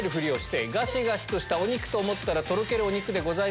「ガシガシとしたお肉と思ったらとろけるお肉でございました。